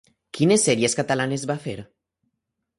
Quines sèries catalanes va fer?